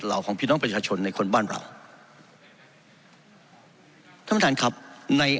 ของพี่น้องประชาชนในคนบ้านเราท่านประธานครับใน